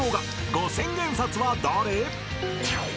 ［５千円札は誰？］